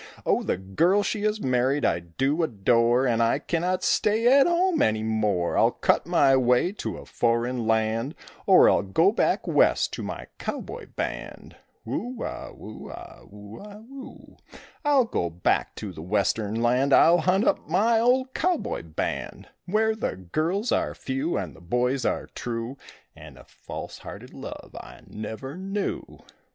Oh, the girl she is married I do adore, And I cannot stay at home any more; I'll cut my way to a foreign land Or I'll go back west to my cowboy band. Whoo a whoo a whoo a whoo. I'll go back to the Western land, I'll hunt up my old cowboy band, Where the girls are few and the boys are true And a false hearted love I never knew.